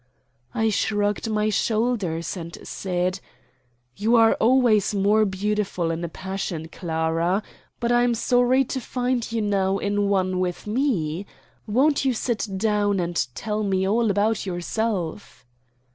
I shrugged my shoulders, and said: "You are always more beautiful in a passion, Clara; but I'm sorry to find you in one now with me. Won't you sit down and tell me all about yourself?"